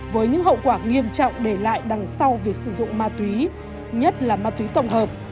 với những hậu quả nghiêm trọng để lại đằng sau việc sử dụng ma túy nhất là ma túy tổng hợp